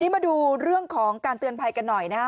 มาดูเรื่องของการเตือนภัยกันหน่อยนะฮะ